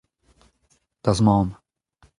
da'z mamm.